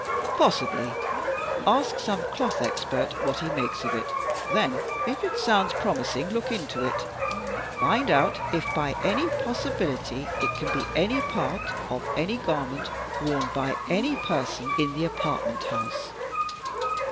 "Possibly. Ask some cloth expert what he makes of it, then if it sounds promising, look into it. Find out if by any possibility it can be any part of any garment worn by any person in the apartment house."